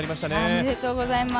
おめでとうございます。